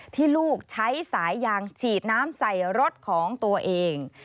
ที่ลูกใช้สายยางฉีดน้ำใส่รถของตัวเอง